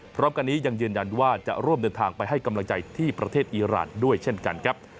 พร้อมกันนี้ยังยืนยันว่าจะร่วมเดินทางไปให้กำลังใจที่ประเทศอีรานด้วยเช่นกันครับ